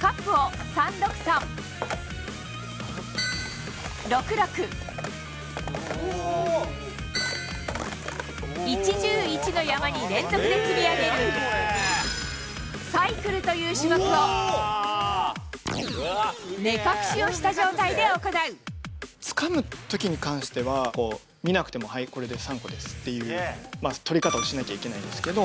カップを３・６・３、６・６、１・１０・１の山に連続で積み上げる、サイクルという種目を、つかむときに関しては、見なくても、はいこれで３個ですっていう取り方をしなきゃいけないんですけど、